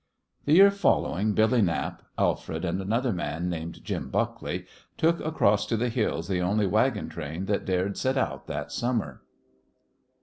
The year following, Billy Knapp, Alfred, and another man named Jim Buckley took across to the Hills the only wagon train that dared set out that summer.